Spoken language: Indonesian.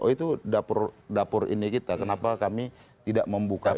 oh itu dapur ini kita kenapa kami tidak membuka